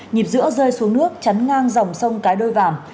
nhịp giữa rơi xuống nước chắn ngang dòng sông cái đôi vàm